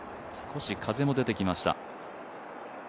少し風も出てきました。